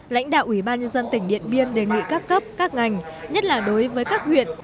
lãnh đạo ủy ban nhân dân tỉnh điện biên đề nghị các cấp các ngành nhất là đối với các huyện